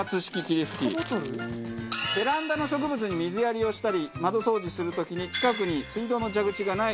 ベランダの植物に水やりをしたり窓掃除する時に近くに水道の蛇口がない！